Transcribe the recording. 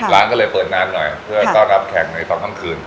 ร้านก็เลยเปิดนานหน่อยเพื่อต้อนรับแข่งในตอนค่ำคืน